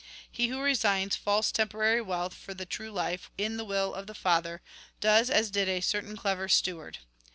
" He who resigns false temporary wealth for the true life in the will of the Father, does as did a certain clever steward.